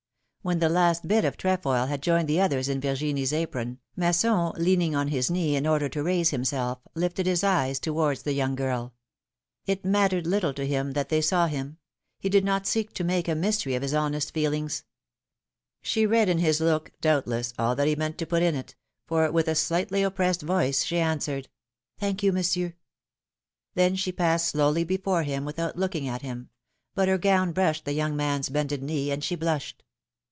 When the last bit of trefoil had joined the others in Virgiuie's apron, Masson, leaning on his knee in order to raise himself, lifted his eyes towards the young girl. 188 PHILOMiiNE^S MARRIAGES. It mattered little to him that they saw him ; he did not seek to make a mystery of his honest feelings. She read in his look, doubtless, all that he meant to put in it ; for, with a slightly oppressed voice, she answered : Thank you, Monsieur.^^ Then she passed slowly before him without looking at him ; but her gown brushed the young man^s bended knee, and she blushed.